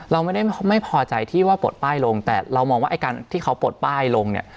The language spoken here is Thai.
เราไม่ได้ไม่พอใจที่ว่าปลดป้ายลงแต่เรามองว่าไอ้การที่เขาปลดป้ายลงเนี่ย